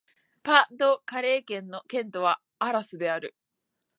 パ＝ド＝カレー県の県都はアラスである